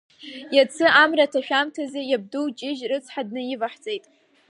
Иацы амра аҭашәамҭазы иабду Ҷыжә рыцҳа днаиваҳҵеит!